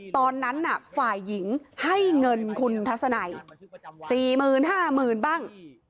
ตอนนั้นน่ะฝ่ายหญิงให้เงินคุณทัศนัยสี่หมื่นห้ามืนบ้าง